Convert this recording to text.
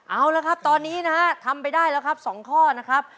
เอาละครับตอนนี้นะฮะทำไปได้แล้วครับ๒ข้อนะครับ